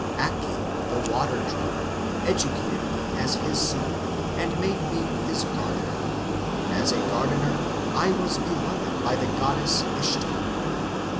Akki, the water drawer, educated me as his son, and made me his gardener. As a gardener, I was beloved by the goddess Ishtar."